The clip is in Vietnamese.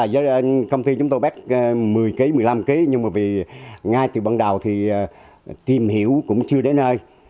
do công ty chúng tôi bác một mươi một mươi năm kwh nhưng mà ngay từ bắt đầu thì tìm hiểu cũng chưa đến nơi